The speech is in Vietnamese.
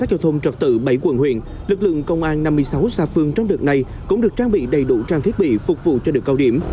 giao thông trật tự bảy quận huyện lực lượng công an năm mươi sáu xa phương trong đợt này cũng được trang bị đầy đủ trang thiết bị phục vụ cho được cao điểm